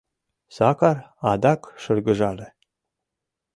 Сакар адак шыргыжале.